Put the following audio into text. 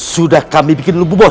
sudah kami bikin lumpuh bos